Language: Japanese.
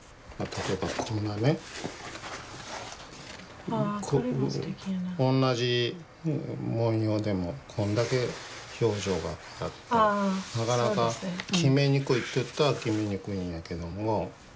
例えばこんなねおんなじ文様でもこんだけ表情があってなかなか決めにくいって言ったら決めにくいんやけども。